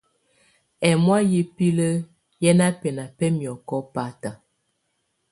Ɛ́mɔ̀á yɛ́ biǝ́li ƴɛ́ ná bɛ́ná bɛ́ miɔ̀kɔ báta.